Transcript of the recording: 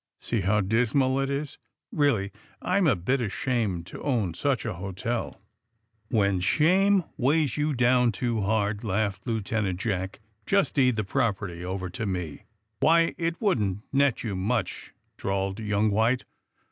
See how dismal it is. Really, I'm a bit ashamed to own such a hotel. '' '^When shame weighs you down too hard/' laughed Lieutenant Jack, *^just deed the prop erty over to me.'' '*Why, it wouldn't net you much," drawled young White.